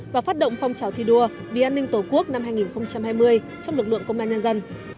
và phát động phong trào thi đua vì an ninh tổ quốc năm hai nghìn hai mươi trong lực lượng công an nhân dân